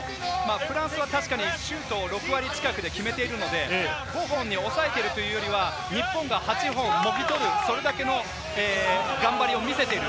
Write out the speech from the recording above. フランスは確かにシュート６割近く決めているので５本に抑えているというよりは、日本が８本もぎ取る、それだけの頑張りを見せている。